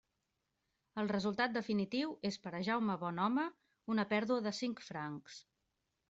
El resultat definitiu és per a Jaume Bonhome una pèrdua de cinc francs.